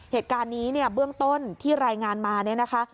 เหตุการณ์นี้เนี่ยเบื้องต้นที่รายงานมาเนี่ยนะคะ